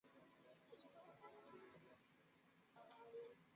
Walimu ni wengi.